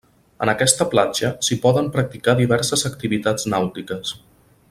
En aquesta platja s'hi poden practicar diverses activitats nàutiques.